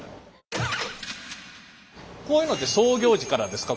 こういうのって創業時からですか？